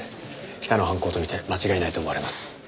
北の犯行と見て間違いないと思われます。